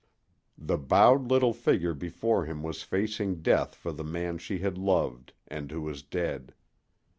The bowed little figure before him was facing death for the man she had loved, and who was dead.